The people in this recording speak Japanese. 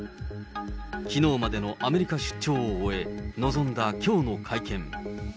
きのうまでのアメリカ出張を終え、臨んだきょうの会見。